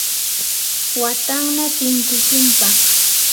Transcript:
watanna tinkushunpaq.